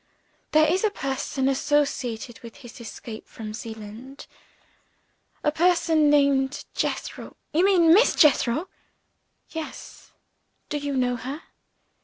There is a person associated with his escape from Zeeland; a person named Jethro " "You mean Miss Jethro!" "Yes. Do you know her?"